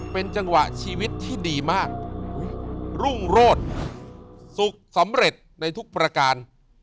เป็นจังหวะชีวิตที่ดีมากรุ่งโรศสุขสำเร็จในทุกประการ